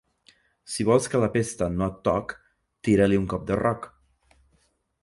Si vols que la pesta no et toc, tira-li un cop de roc.